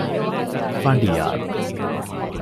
ފަނޑިޔާރު